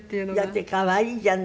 だって可愛いじゃない。